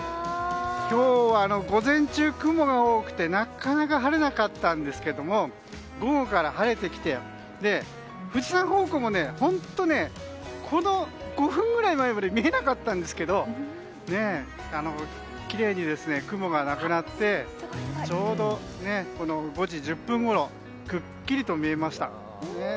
今日は午前中、雲が多くてなかなか晴れなかったんですけど午後から晴れてきて富士山方向も本当に、この５分ぐらい前まで見えなかったんですけどきれいに雲がなくなってちょうど５時１０分ごろくっきりと見えました。